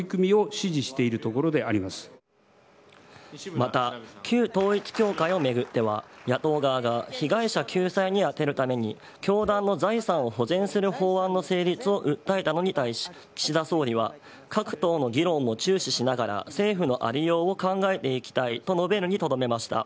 また旧統一教会を巡っては野党側が被害者救済に充てるために教団の財産を保全する法案の成立を訴えたのに対し岸田総理は各党の議論も注視しながら政府のありようを考えていきたいと述べるにとどめました。